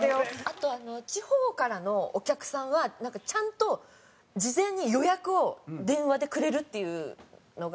あと地方からのお客さんはちゃんと事前に予約を電話でくれるっていうのがあって。